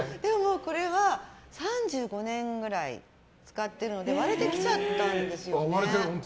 これは３５年くらい使っているので割れてきちゃったんですよね。